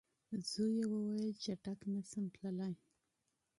زوی یې وویل چټک نه سمه تللای